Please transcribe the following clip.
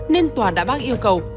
nên tòa đã bác yêu cầu